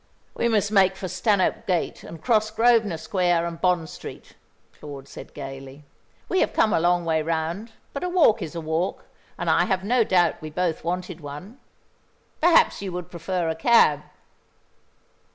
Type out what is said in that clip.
"We must make for Stanhope Gate and cross Grosvenor Square and Bond Street," Claude said gaily. "We have come a long way round, but a walk is a walk, and I have no doubt we both wanted one. Perhaps you would prefer a cab."